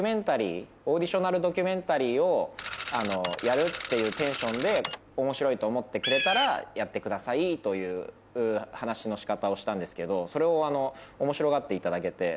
オーディショナルドキュメンタリーをやるっていうテンションで面白いと思ってくれたらやってくださいという話の仕方をしたんですけど。